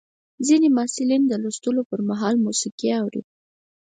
ځینې محصلین د لوستلو پر مهال موسیقي اوري.